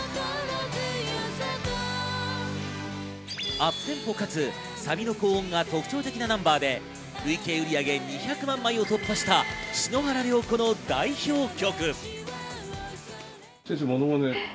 アップテンポかつサビの高音が特徴的なナンバーで累計売上２００万枚を突破した、篠原涼子の代表曲。